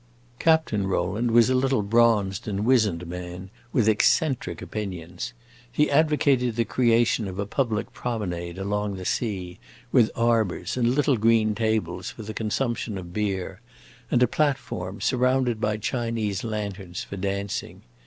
Captain Rowland was a little bronzed and wizened man, with eccentric opinions. He advocated the creation of a public promenade along the sea, with arbors and little green tables for the consumption of beer, and a platform, surrounded by Chinese lanterns, for dancing.